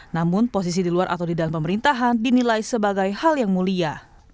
namun posisi di luar atau di dalam pemerintahan dinilai sebagai hal yang mulia